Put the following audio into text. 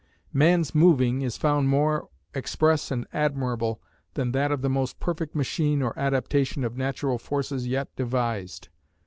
Man's "moving" is found more "express and admirable" than that of the most perfect machine or adaptation of natural forces yet devised.